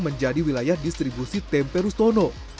menjadi wilayah distribusi tempe rustono